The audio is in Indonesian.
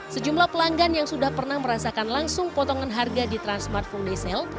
sejumlah pelanggan yang sudah pernah merasakan langsung potongan harga di transmart full day sale